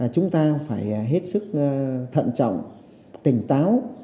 chúng ta phải hết sức thận trọng tỉnh táo